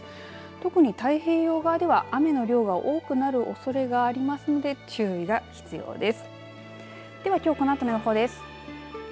特に太平洋側では雨の量が多くなるおそれがありますので注意が必要です。